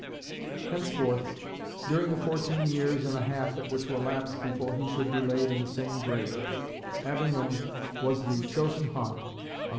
Henceforth, during the fourteen years and a half that were to elapse before he should be laid in the same grave, Avignon was the chosen haunt of Mr. Mill.